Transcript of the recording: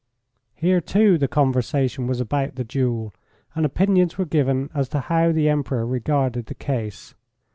Here, too, the conversation was about the duel, and opinions were given as to how the Emperor regarded the case.